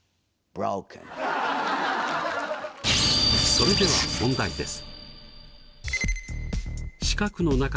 それでは問題です。